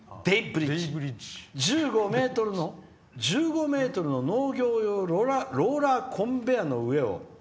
１５ｍの農業用ローラーコンベアの上を」。